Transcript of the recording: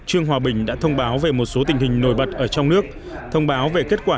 trương hòa bình đã thông báo về một số tình hình nổi bật ở trong nước thông báo về kết quả